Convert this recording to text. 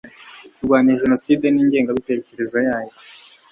kurwanya jenoside n'ingengabitekerezo yayo